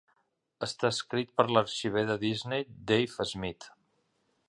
Està escrit per l'arxiver de Disney, Dave Smith.